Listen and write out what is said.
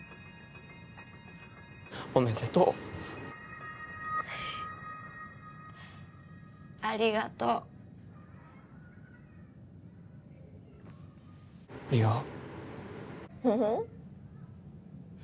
おめでとうありがとう梨央うん？